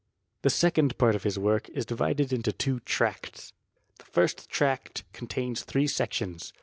The second part of his work is divided into two tracts. The first tract contains three sections.